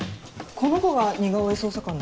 この子が似顔絵捜査官なの？